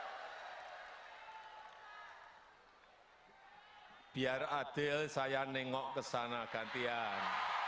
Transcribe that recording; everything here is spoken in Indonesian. bapak ibu biar adil saya nengok ke sana gantian